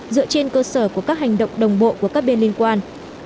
dựa trên cơ sở của các hành động đồng bộ của các bên liên quan